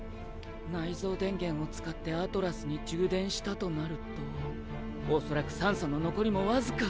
内蔵電源を使ってアトラスに充電したとなると恐らく酸素の残りもわずか。